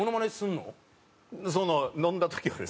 その飲んだ時はですね。